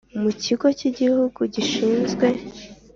Mu kigo cy igihugu gishinzwe